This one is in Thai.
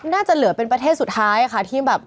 น่าจะเหลือเป็นประเทศสุดท้ายค่ะที่แบบ